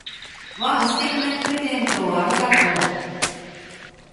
わぁ！素敵なプレゼントをありがとう！